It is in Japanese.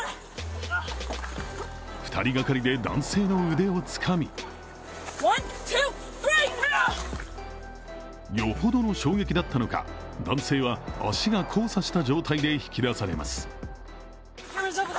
２人がかりで男性の腕をつかみよほどの衝撃だったのか男性は足が交差した状態で引き出されます。